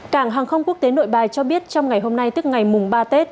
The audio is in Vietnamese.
cảng hàng không quốc tế nội bài cho biết trong ngày hôm nay tức ngày mùng ba tết